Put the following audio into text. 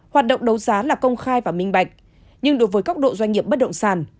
hoạt động đấu giá là công khai và minh bạch nhưng đối với góc độ doanh nghiệp bất động sản